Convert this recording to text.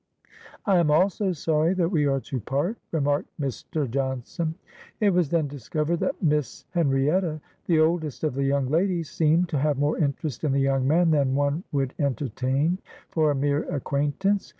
"I am also sorry that we are to part," remarked Mr. Johnson. It was then discovered that Miss Henrietta, the oldest of the young ladies, seemed to have more interest in the young man than one would entertain for a mere acquaintance.